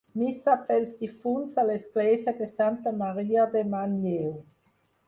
Missa pels difunts a l'església de Santa Maria de Manlleu.